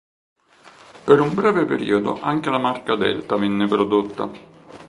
Per un breve periodo anche la marca Delta venne prodotta.